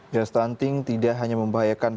ya stunting tidak hanya membahayakan pertumbuhan anak